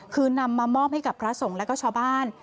คือนำมามอบให้กับพระสงฆ์แล้วก็ชาวบ้าน